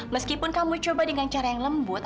meskipun kamu coba dengan cara yang lembut